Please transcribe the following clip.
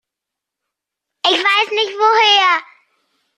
Ich weiß nicht woher.